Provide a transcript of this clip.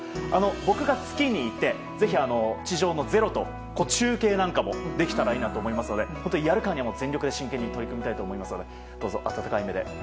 僕が月にいてぜひ地上の「ｚｅｒｏ」との中継なんかもできたらいいなと思いますので本当にやるからには全力で真剣に取り組みたいと思いますので。